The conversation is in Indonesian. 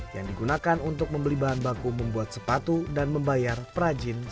yang digunakan untuk membeli bahan baku membuat sepatu dan membayar perajin